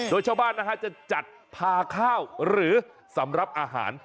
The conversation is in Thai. โดยชาวบ้านนะฮะจะจัดพาข้าวหรือสำหรับอาหาร